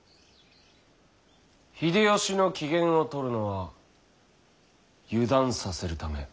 秀吉の機嫌をとるのは油断させるため。